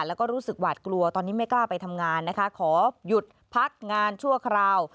แล้วก็รู้สึกหวาดกลัวตอนนี้ไม่กล้าไปทำงานนะคะขอหยุดพักงานชั่วคราว